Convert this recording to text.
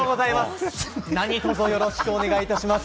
何とぞよろしくお願いします。